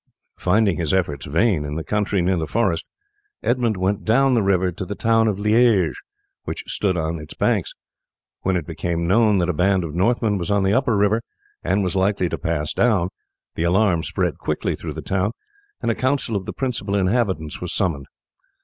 Finding his efforts vain in the country near the forest Edmund went down the river to the town of Liege, which stood on its banks. When it became known that a band of Northmen was on the upper river, and was likely to pass down, the alarm spread quickly through the town, and a council of the principal inhabitants was summoned.